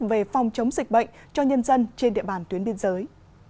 về phòng chống dịch bệnh cho nhân dân trên địa bàn tuyến biên giới